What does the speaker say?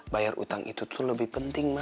bayar utang itu tuh lebih penting